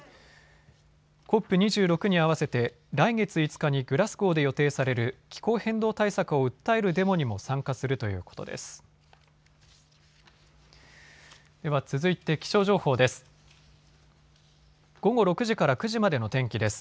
ＣＯＰ２６に合わせて来月５日にグラスゴーで予定される気候変動対策を訴えるデモにも参加するということです。